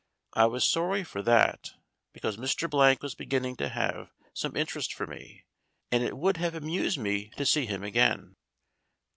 I was sorry for that, because Mr. Blank was begin ning to have some interest for me, and it would have amused me to see him again.